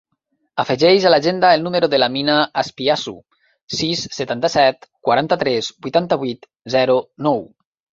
Afegeix a l'agenda el número de l'Amina Azpiazu: sis, setanta-set, quaranta-tres, vuitanta-vuit, zero, nou.